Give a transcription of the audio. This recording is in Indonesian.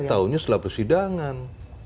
saya tahunya setelah persidangan